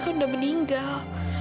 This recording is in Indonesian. ayah kan udah meninggal